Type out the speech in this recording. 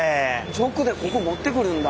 直でここ持ってくるんだ。